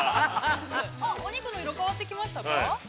◆お肉の色、変わってきましたか。